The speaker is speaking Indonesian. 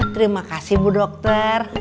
terima kasih bu dokter